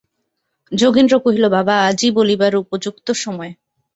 যোগেন্দ্র কহিল, বাবা, আজই বলিবার উপযুক্ত সময়।